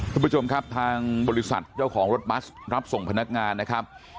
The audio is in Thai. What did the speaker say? คุณผู้ชมครับทางบริษัทเจ้าของรถบัสรับส่งพนักงานนะครับ